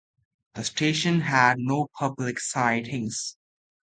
The station had no public sidings.